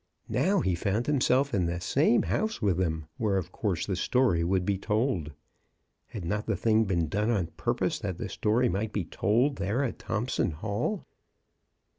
Now he found himself in the same house with them, where of course the story would be told. Had not the thjng been done on purpose that the story might be told there at Thompson Hall?